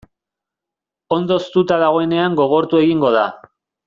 Ondo hoztuta dagoenean gogortu egingo da.